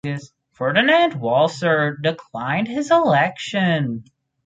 Ferdinand Walser declined his election.